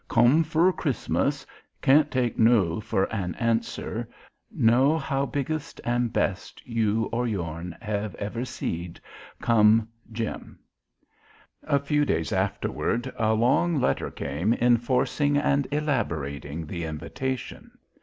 come fur chrismus cant take no fur an answer no how biggest an best you or yourn hev ever seed come jim A few days afterward a long letter came enforcing and elaborating the invitation.